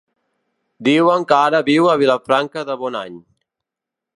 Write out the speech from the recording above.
Diuen que ara viu a Vilafranca de Bonany.